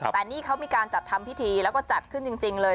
แต่นี่เขามีการจัดทำพิธีแล้วก็จัดขึ้นจริงเลย